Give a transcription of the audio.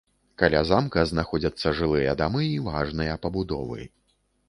Каля замка знаходзяцца жылыя дамы і важныя пабудовы.